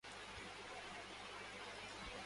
انگن ٹیڑھا ناچ نہ جانے میں بدل گیا